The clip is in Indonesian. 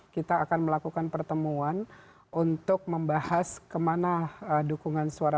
kita akan melakukan pertemuan untuk membahas kemana dukungan suara